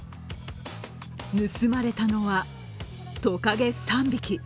盗まれたのは、トカゲ３匹。